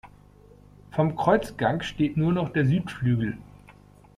Vom Kreuzgang steht nur noch der Südflügel.